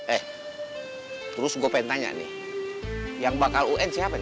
eh terus gue pengen tanya nih yang bakal un siapa nih